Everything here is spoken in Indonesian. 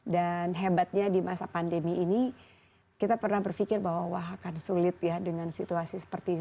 dan hebatnya di masa pandemi ini kita pernah berpikir bahwa akan sulit ya dengan situasi seperti ini